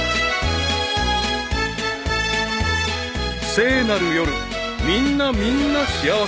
［聖なる夜みんなみんな幸せに］